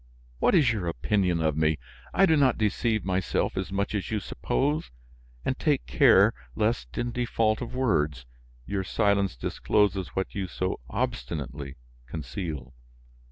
What is your opinion of me? I do not deceive myself as much as you suppose, and take care lest, in default of words, your silence discloses what you so obstinately conceal."